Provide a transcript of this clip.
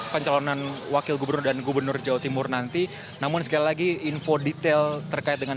pencalonan wakil gubernur dan gubernur jawa timur nanti namun sekali lagi info detail terkait dengan